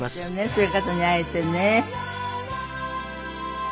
そういう方に会えてね。